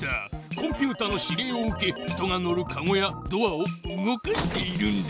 コンピュータの指令を受け人が乗るかごやドアを動かしているんだ。